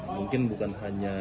mungkin bukan hanya